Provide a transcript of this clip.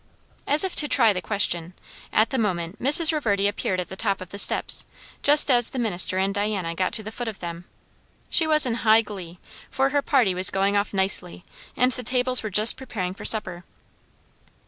As if to try the question, at the moment, Mrs. Reverdy appeared at the top of the steps, just as the minister and Diana got to the foot of them. She was in high glee, for her party was going off nicely, and the tables were just preparing for supper.